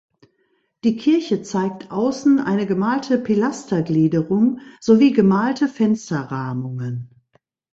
Die Kirche zeigt außen eine gemalte Pilastergliederung sowie gemalte Fensterrahmungen.